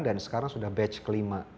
dan sekarang sudah batch kelima